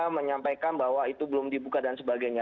menyampaikan bahwa itu belum dibuka dan sebagainya